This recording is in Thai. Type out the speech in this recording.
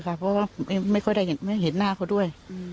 เพราะว่าผมไม่ค่อยได้เห็นหน้าเขาด้วย